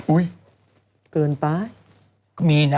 อุ๊ยเกินไป